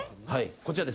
こちらです。